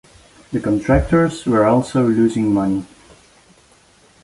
The contractors were also losing money.